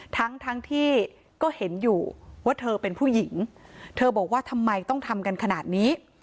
ทั้งทั้งที่ก็เห็นอยู่ว่าเธอเป็นผู้หญิงเธอบอกว่าทำไมต้องทำกันขนาดนี้